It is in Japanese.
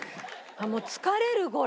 もう疲れるこれ。